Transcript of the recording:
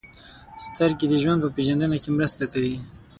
• سترګې د ژوند په پېژندنه کې مرسته کوي.